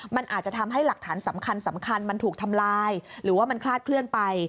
มันอาจจะทำให้หลักฐานสำคัญมันถูกทำลายหรือว่ามันคลาดเคลื่อนไป